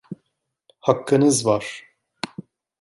Hakkınız var!